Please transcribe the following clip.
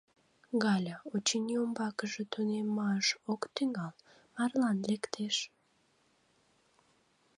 Галя, очыни, умбакыже тунемаш ок тӱҥал, марлан лектеш.